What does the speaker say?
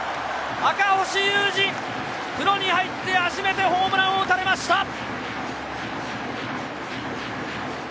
赤星優志、プロに入って初めてホームランを打たれました！